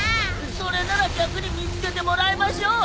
それなら逆に見つけてもらいましょう！